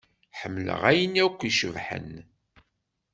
Ḥemmleɣ ayen akk icebḥen.